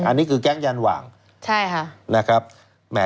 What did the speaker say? อันนี้คือแก๊งยันหว่างใช่ค่ะ